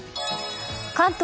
関東